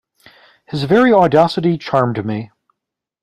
His very audacity charmed me.